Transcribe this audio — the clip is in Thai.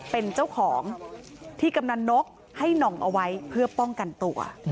เป็นเจ้าของที่กำนันนกให้หน่องเอาไว้เพื่อป้องกันตัว